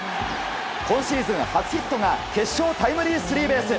今シーズン初ヒットが決勝タイムリースリーベース。